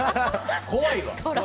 怖いわ。